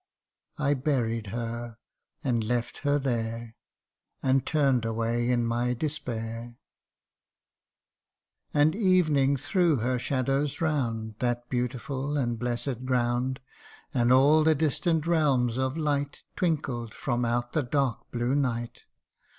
I buried her, and left her there ; And turn'd away in my despair. 30 THE UNDYING ONE. " And Evening threw her shadows round That beautiful and blessed ground, And all the distant realms of light Twinkled from out the dark blue night.